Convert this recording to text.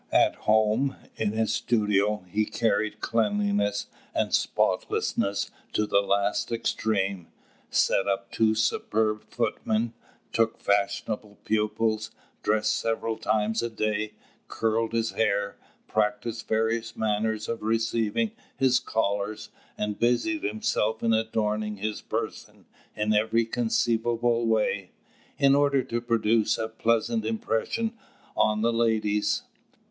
At home, in his studio, he carried cleanliness and spotlessness to the last extreme, set up two superb footmen, took fashionable pupils, dressed several times a day, curled his hair, practised various manners of receiving his callers, and busied himself in adorning his person in every conceivable way, in order to produce a pleasing impression on the ladies.